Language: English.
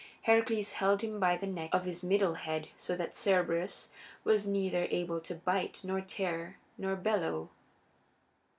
Heracles held him by the neck of his middle head so that Cerberus was neither able to bite nor tear nor bellow.